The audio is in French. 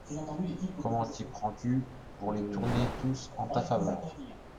Comment t'y prends-tu pour les tourner tous en ta faveur!